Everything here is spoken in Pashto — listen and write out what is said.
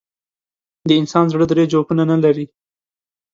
د انسان زړه درې جوفونه نه لري.